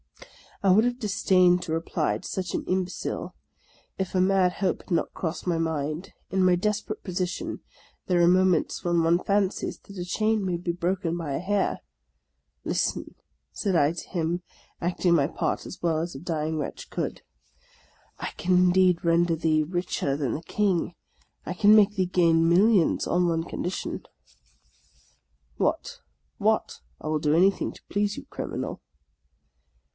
I would have disdained to reply to such an imbecile, if a mad hope had not crossed my mind. In my desperate posi tion there are moments when one fancies that a chain may be broken by a hair. " Listen," said I to him, acting my part as well as a dying wretch could. " I can indeed render thee richer than the King. I can make thee gain millions, on one condition." He opened his stupid eyes. " What, what ? I will do anything to please you, Crim inal."